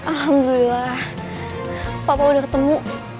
alhamdulillah papa udah ketemu